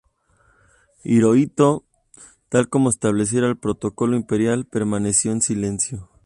Hirohito, tal como establecía el protocolo imperial, permaneció en silencio.